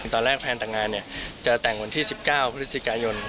ตอนแรกแพลนแต่งงานจะแต่งวันที่๑๙พฤศจิกายน